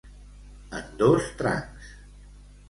En dos trancs.